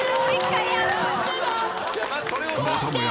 ［またもや